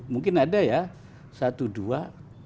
mungkin ada ya satu dua